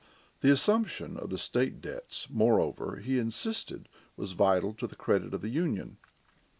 The assumption of the state debts, moreover, he insisted was vital to the credit of the Union.